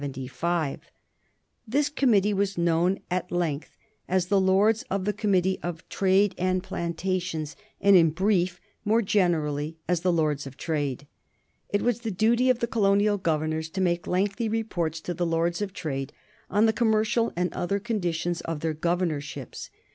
This committee was known at length as "The Lords of the Committee of Trade and Plantations," and in brief and more generally as "The Lords of Trade." It was the duty of the colonial governors to make lengthy reports to the Lords of Trade on the commercial and other conditions of their governorships.